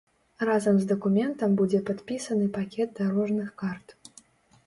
Разам з дакументам будзе падпісаны пакет дарожных карт.